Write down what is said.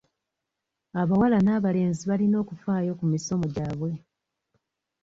Abawala n'abalenzi balina okufaayo ku misomo gyabwe.